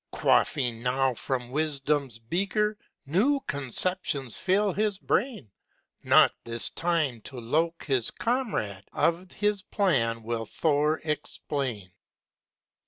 ŌĆØ Quaffing now from wisdomŌĆÖs beaker, New conceptions fill his brain: Naught this time to Lok his comrade Of his plan will Thor explain.